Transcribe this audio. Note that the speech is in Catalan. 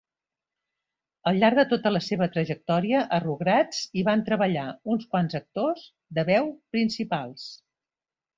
Al llarg de tota la seva trajectòria, a 'Rugrats' hi van treballar uns quants actors de veu principals.